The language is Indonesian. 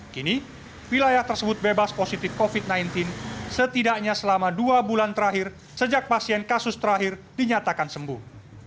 kini wilayah tersebut bebas positif covid sembilan belas setidaknya selama dua bulan terakhir sejak pasien kasus terakhir dinyatakan sembuh